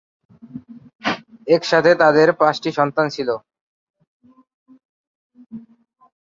একসাথে তাদের পাঁচটি সন্তান ছিল।